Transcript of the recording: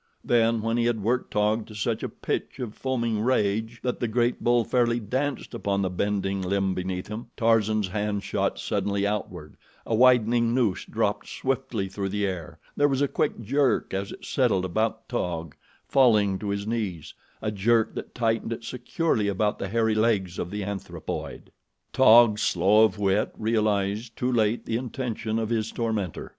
Then, when he had worked Taug to such a pitch of foaming rage that the great bull fairly danced upon the bending limb beneath him, Tarzan's hand shot suddenly outward, a widening noose dropped swiftly through the air, there was a quick jerk as it settled about Taug, falling to his knees, a jerk that tightened it securely about the hairy legs of the anthropoid. Taug, slow of wit, realized too late the intention of his tormentor.